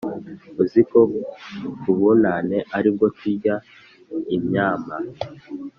Uziko kubunane aribwo turya imyama